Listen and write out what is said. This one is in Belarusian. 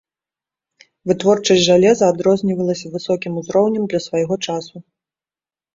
Вытворчасць жалеза адрознівалася высокім узроўнем для свайго часу.